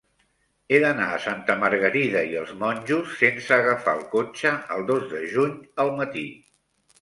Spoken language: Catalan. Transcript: He d'anar a Santa Margarida i els Monjos sense agafar el cotxe el dos de juny al matí.